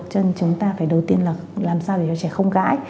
chân chúng ta phải đầu tiên là làm sao để cho trẻ không gãi